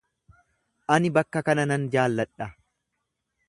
Ani bakka kana nan jaalladha.